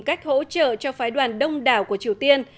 cách hỗ trợ cho phái đoàn đông đảo của triều tiên